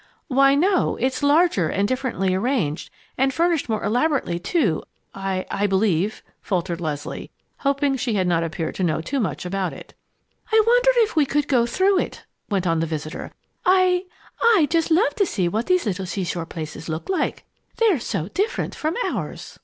"Why no. It's larger and differently arranged and furnished more elaborately, too, I I believe," faltered Leslie, hoping she had not appeared to know too much about it. "I wonder if we could go through it?" went on the visitor. "I I just love to see what these little seashore places look like. They're so different from ours."